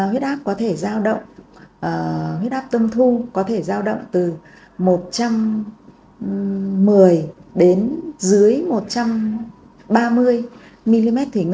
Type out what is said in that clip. huyết áp có thể giao động huyết áp tâm thu có thể giao động từ một trăm một mươi đến dưới một trăm ba mươi mm thừa ngâ